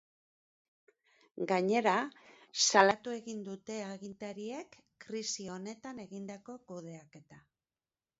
Gainera, salatu egin dute agintariek krisi honetan egindako kudeaketa.